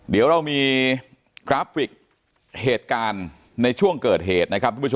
เดี๋ยวเรามีกราฟฟิกเกิดเหตุการณ์ในช่วงเกิดเหตุ